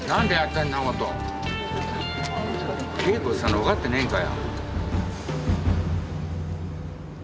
稽古したの分かってねえのか。